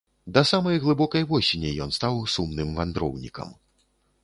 Да самай глыбокай восені ён стаў сумным вандроўнікам.